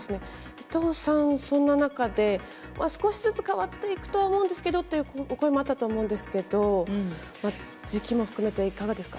伊藤さん、そんな中で、少しずつ変わっていくと思うんですけどっていう、お声もあったと思うんですけど、時期も含めて、いかがですか。